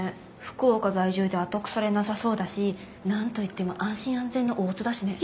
福岡在住で後腐れなさそうだしなんといっても安心安全の大津だしね。